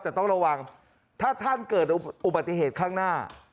แต่ต้องระวังถ้าท่านเกิดอุบัติเหตุข้างหน้า